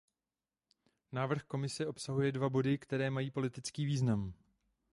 Návrh Komise obsahuje dva body, které mají politický význam.